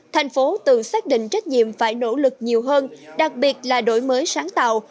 tp hcm từ xác định trách nhiệm phải nỗ lực nhiều hơn đặc biệt là đổi mới sáng tạo